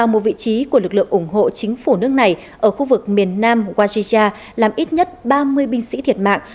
một vị trí của lực lượng ủng hộ chính phủ nước này ở khu vực miền nam wajija làm ít nhất ba mươi binh sĩ thiệt mạng